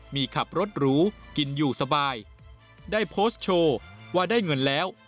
มีขับรถหรูกินอยู่สบายได้โพสต์โชว์ว่าได้เงินแล้ว